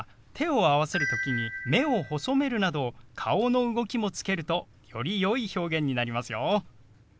目を細めるなど顔の動きもつけるとよりよい表現になりますよ。